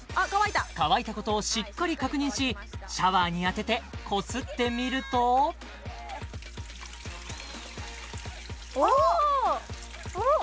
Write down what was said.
乾いたことをしっかり確認しシャワーに当ててこすってみるとおおっ！